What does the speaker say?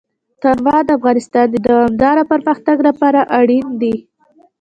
تنوع د افغانستان د دوامداره پرمختګ لپاره اړین دي.